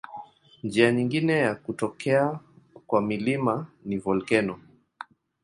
Njia nyingine ya kutokea kwa milima ni volkeno.